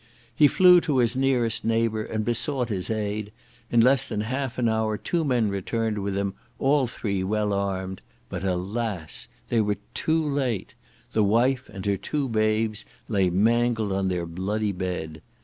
He flew to his nearest neighbour and besought his aid; in less than half an hour two men returned with him, all three well armed; but alas! they were too late! the wife and her two babes lay mangled on their bloody bed.